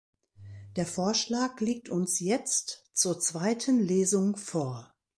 Der Vorschlag liegt uns jetzt zur zweiten Lesung vor.